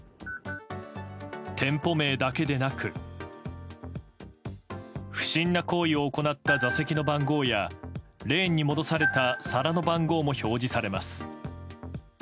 店舗名だけでなく不審な行為を行った座席の番号やレーンに戻された皿の番号も表示されます。